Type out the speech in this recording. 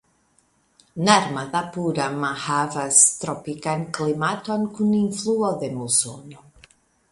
Narmadapuram havas tropikan klimaton kun influo de musono.